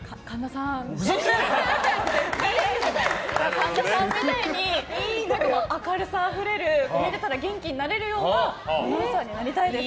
神田さんみたいに明るさあふれる見てたら元気になれるようなアナウンサーになりたいです。